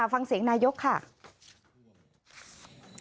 ฟังเสียงนายกค่ะ